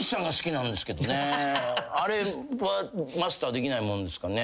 あれはマスターできないもんですかね。